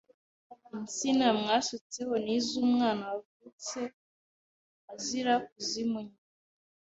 Insina mwaisutseho ni iz’umwana wavutse ayeyi azira kuzimunyaga